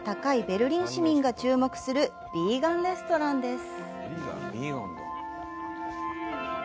ベルリン市民が注目するヴィーガンレストランです。